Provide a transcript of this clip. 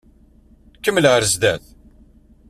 Kemmel ɣer zdat.